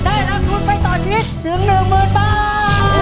ได้รับทุนไปต่อชีวิตถึงหนึ่งหมื่นบาท